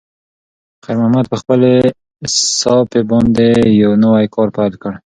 خیر محمد په خپلې صافې باندې یو نوی کار پیل کړ.